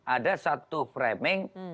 ada satu framing